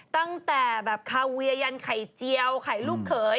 ตั้งแต่แบบคาเวียยันไข่เจียวไข่ลูกเขย